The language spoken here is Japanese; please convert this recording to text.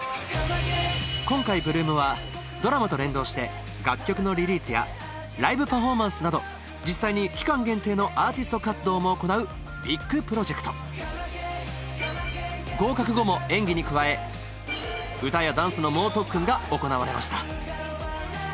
今回８ＬＯＯＭはドラマと連動して楽曲のリリースやライブパフォーマンスなど実際に期間限定のアーティスト活動も行うビッグプロジェクト合格後も演技に加え歌やダンスの猛特訓が行われました